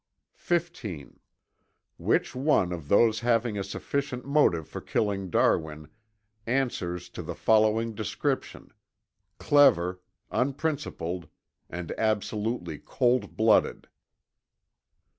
(15) Which one of those having a sufficient motive for killing Darwin answers to the following description: clever, unprincipled, and absolutely cold blooded?